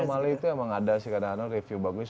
anomaly itu emang ada sih karena review bagus